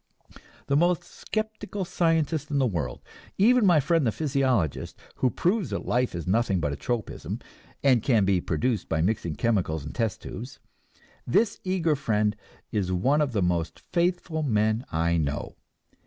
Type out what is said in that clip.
The most skeptical scientist in the world, even my friend the physiologist who proves that life is nothing but a tropism, and can be produced by mixing chemicals in test tubes this eager friend is one of the most faithful men I know.